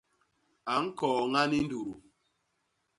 A ñkooña ni ndudu.